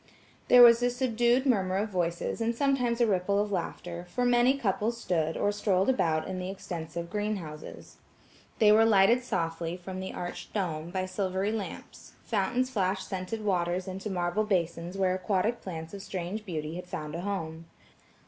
There was a subdued murmur of voices and sometimes a ripple of laughter, for many couples stood, or strolled about the extensive greenhouses. They were lighted softly, from the arched dome, by silvery lamps; fountains flashed scented waters into marble basins where aquatic plants of strange beauty had found a home.